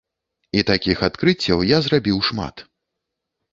І такіх адкрыццяў я зрабіў шмат.